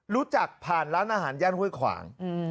รู้จักผ่านร้านอาหารย่านห้วยขวาง